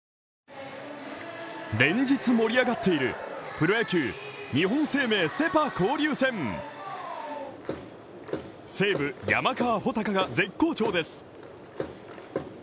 ＪＴ連日盛り上がっている、プロ野球日本生命セ・パ交流戦西武・山川穂高が絶好調です。